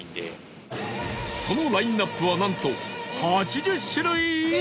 そのラインアップはなんと８０種類以上！